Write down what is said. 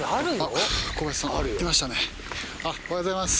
おはようございます。